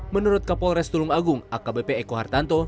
menurut kapolres tulung agung akbp eko hartanto